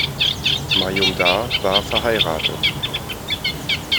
Majumdar war verheiratet.